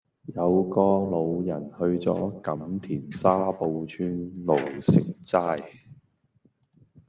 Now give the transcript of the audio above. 有個老人去左錦田沙埔村路食齋